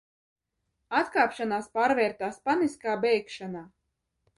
Atkāpšanās pārvērtās paniskā bēgšanā.